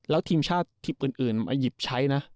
แล้วทีมชาติทีมอื่นมาหยิบใช้นะ